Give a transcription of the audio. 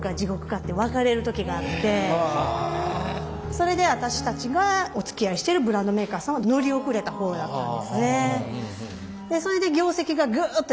それで私たちがおつきあいしてるブランドメーカーさんは乗り遅れた方やったんですね。